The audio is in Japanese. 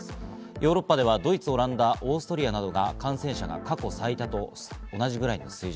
ヨーロッパではドイツ、オランダ、オーストリアなどが感染者が過去最多と同じくらいの水準。